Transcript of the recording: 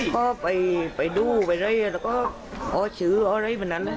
ก็ไปดูไปเลยแล้วก็เอาชื้ออะไรเหมือนนั้น